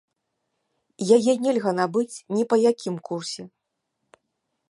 Яе нельга набыць ні па якім курсе.